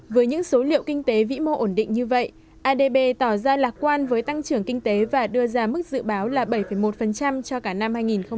với những số liệu kinh tế vĩ mô ổn định như vậy adb tỏ ra lạc quan với tăng trưởng kinh tế và đưa ra mức dự báo là bảy một cho cả năm hai nghìn hai mươi